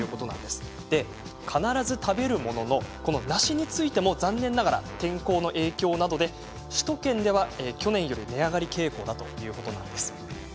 必ず食べるものの梨についても残念ながら天候の影響などで首都圏では去年よりも値上がり傾向だということです。